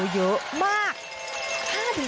เยอะมาก๕๗ตันต่อไร่